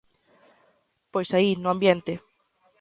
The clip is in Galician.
Pois aí, no ambiente.